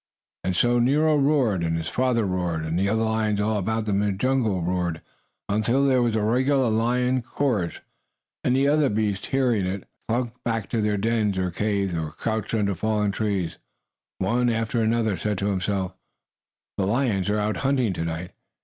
And so Nero roared, and his father roared, and the other lions, all about them in the jungle, roared until there was a regular lion chorus, and the other beasts, hearing it, slunk back to their dens or caves, or crouched under fallen trees, and one after another said to himself: "The lions are out hunting to night.